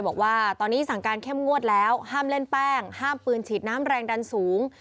บอกว่าตอนนี้สั่งการเข้มงวดแล้วห้ามเล่นแป้งห้ามปืนฉีดน้ำแรงดันสูง